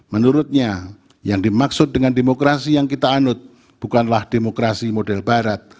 menurutnya yang dimaksud dengan demokrasi yang kita anut bukanlah demokrasi model barat